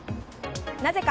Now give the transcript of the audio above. なぜか。